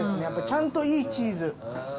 やっぱりちゃんといいチーズ。